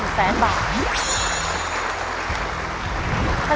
สวัสดีครับ